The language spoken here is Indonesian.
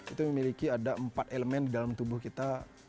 itu memiliki ada empat elemen di dalam tubuh kita